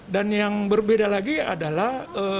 dan yang berbeda lagi adalah